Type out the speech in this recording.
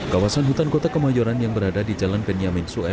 kawasan hutan kota kemayoran yang berada di jalan benyamin sue